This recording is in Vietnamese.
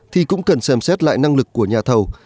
thì cũng cần xem xét lại năng lực của nhà thầu